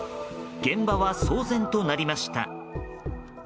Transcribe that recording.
現場は騒然となりました。